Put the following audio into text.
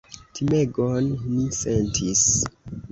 Timegon ni sentis!